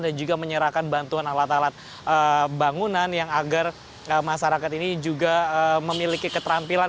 dan juga menyerahkan bantuan alat alat bangunan yang agar masyarakat ini juga memiliki keterampilan